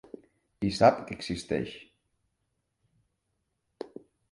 I sap que existeix.